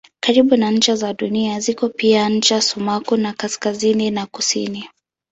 Karibu na ncha za Dunia ziko pia ncha sumaku za kaskazini na kusini.